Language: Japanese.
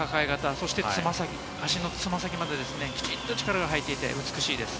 そして足のつま先まで、きちんと力が入っていて美しいです。